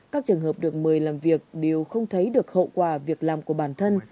các trường hợp được mời làm việc đều không thấy được hậu quả việc làm của bản thân